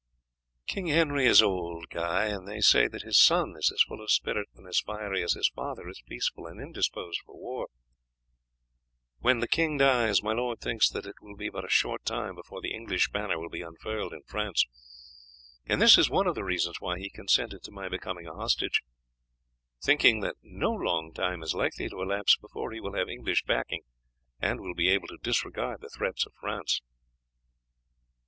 "King Henry is old, Guy; and they say that his son is as full of spirit and as fiery as his father is peaceful and indisposed for war. When the king dies, my lord thinks that it will be but a short time before the English banner will be unfurled in France; and this is one of the reasons why he consented to my becoming an hostage, thinking that no long time is likely to elapse before he will have English backing, and will be able to disregard the threats of France."